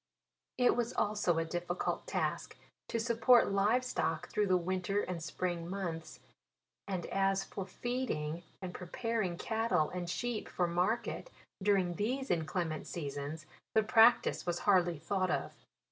It was also a difficult task to support live stock through the winter and spring months ; and a3 for feeding, and preparing catttle and sheep for market during these inclement seasons, the practice was hardly thought of.